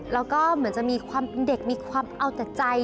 แล้วก็เหมือนจะมีความเป็นเด็กมีความเอาแต่ใจ